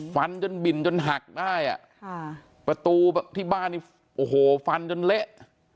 ฟันจนบินจนหักได้ประตูที่บ้านนี้ฟันจนเละ